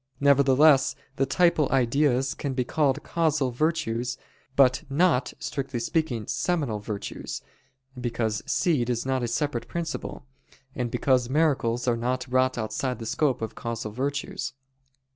Nevertheless, the "typal ideas" can be called "causal virtues," but not, strictly speaking, "seminal virtues," because seed is not a separate principle; and because miracles are not wrought outside the scope of causal virtues.